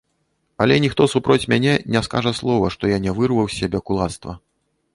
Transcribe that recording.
Але ніхто супроць мяне не скажа слова, што я не вырваў з сябе кулацтва.